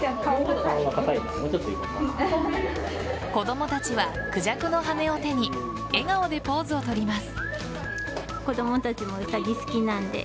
子供たちはクジャクの羽を手に笑顔でポーズをとります。